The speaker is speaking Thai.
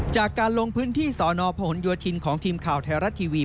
จากการลงพื้นที่สอนอพหนโยธินของทีมข่าวไทยรัฐทีวี